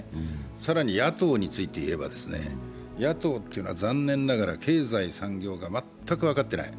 更に野党についていえば野党というのは、残念ながら経済、産業が全く分かっていない。